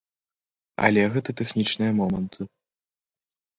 Але гэта тэхнічныя моманты.